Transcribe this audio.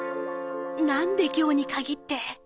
なんで今日に限って？